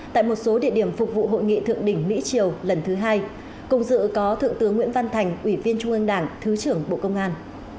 tại một số địa điểm phục vụ hội nghị thượng đỉnh mỹ triều lần thứ hai cùng dự có thượng tướng nguyễn văn thành ủy viên trung ương đảng thứ trưởng bộ công an